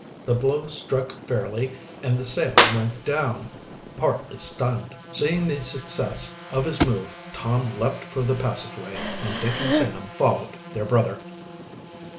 The blow struck fairly, and the sailor went down, partly stunned. Seeing the success of his move Tom leaped for the passageway, and Dick and Sam followed their brother.